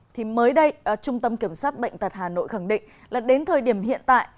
thì mới đây trung tâm kiểm soát bệnh tật hà nội khẳng định là đến thời điểm hiện tại